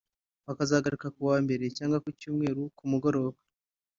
bakazagaruka kuwa Mbere cyanwga ku Cyumweru ku mugoroba